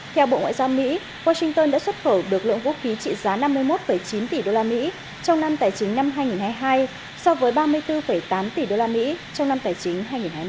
theo bộ ngoại giao mỹ washington đã xuất khẩu được lượng vũ khí trị giá năm mươi một chín tỷ đô la mỹ trong năm tài chính năm hai nghìn hai mươi hai so với ba mươi bốn tám tỷ đô la mỹ trong năm tài chính hai nghìn hai mươi một